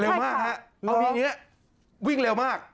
เร็วมากอันนี้วิ่งเร็วมาก